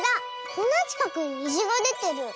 こんなちかくににじがでてる。